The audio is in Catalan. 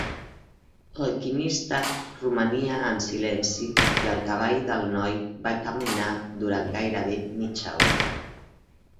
L'Alquimista romania en silenci i el cavall del noi va caminar durant gairebé mitja hora.